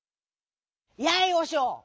「やいおしょう！